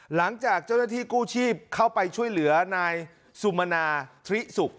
หลังจากเจ้าหน้าที่กู้ชีพเข้าไปช่วยเหลือนายสุมนาทริสุก